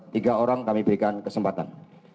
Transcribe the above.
tiga orang kami berikan kesempatan